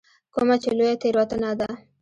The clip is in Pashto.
کومه چې لویه تېروتنه ده.